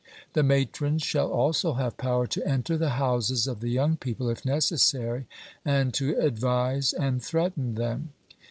The matrons shall also have power to enter the houses of the young people, if necessary, and to advise and threaten them.